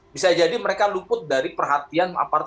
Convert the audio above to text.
bisa jadi mereka luput dari perhatian apartemen